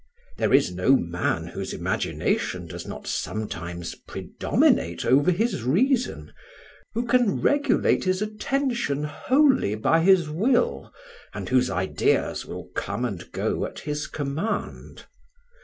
There is no man whose imagination does not sometimes predominate over his reason who can regulate his attention wholly by his will, and whose ideas will come and go at his command.